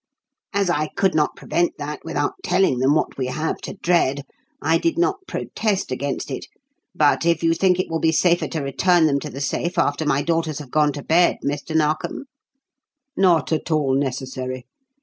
As I could not prevent that without telling them what we have to dread, I did not protest against it; but if you think it will be safer to return them to the safe after my daughters have gone to bed, Mr. Narkom " "Not at all necessary.